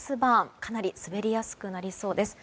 かなり滑りやすくなりそうです。